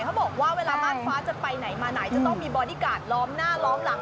เขาบอกว่าเวลามาดฟ้าจะไปไหนมาไหนจะต้องมีบอดี้การ์ดล้อมหน้าล้อมหลัง